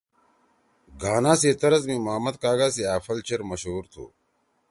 گانا سی طرز می محمد کاگا سی أ پھل چیر مشہور تُھو!